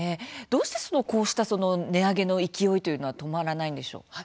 どうして、こうした値上げの勢いというのは止まらないんでしょう。